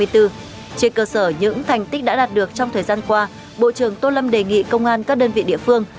trên cơ sở những thành tích đã đạt được trong thời gian qua bộ trưởng tô lâm đề nghị công an các đơn vị địa phương